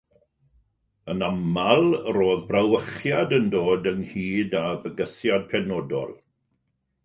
Yn aml, roedd brawychiad yn dod ynghyd â bygythiad penodol.